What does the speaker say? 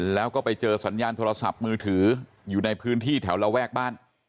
แล้วก็ไปเจอสัญญาณโทรศัพท์มือถืออยู่ในพื้นที่แถวระแวกบ้าน